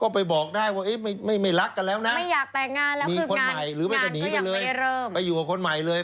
ก็ไปบอกได้ว่าไม่รักกันแล้วนะมีคนใหม่หรือว่าก็หนีไปเลยไปอยู่กับคนใหม่เลย